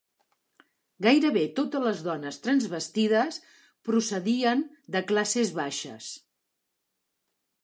Gairebé totes les dones transvestides procedien de classes baixes.